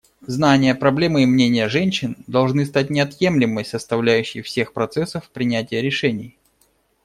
Знания, проблемы и мнения женщин должны стать неотъемлемой составляющей всех процессов принятия решений.